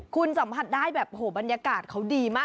คุณสัมผัสได้แบบโหบรรยากาศเขาดีมาก